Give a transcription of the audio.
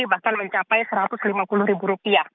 bahkan mencapai rp satu ratus lima puluh